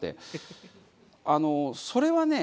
あのそれはね